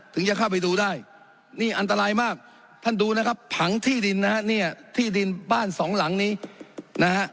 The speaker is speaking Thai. จะเข้าไปดูได้นี่อันตรายมากท่านดูนะครับผังที่ดินนะฮะเนี่ยที่ดินบ้านสองหลังนี้นะฮะ